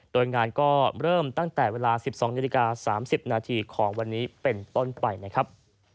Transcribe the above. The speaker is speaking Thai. โดยงานก็เริ่มตั้งแต่เวลา๑๒นาฬิกา๓๐นาทีของวันนี้เป็นต้นไปนะครับ